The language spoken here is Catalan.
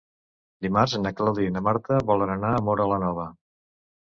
Dimarts na Clàudia i na Marta volen anar a Móra la Nova.